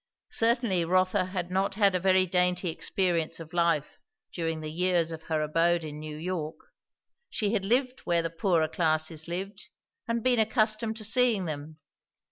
Certainly Rotha had not had a very dainty experience of life during the years of her abode in New York; she had lived where the poorer classes lived and been accustomed to seeing them.